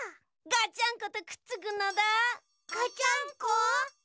ガチャンコ！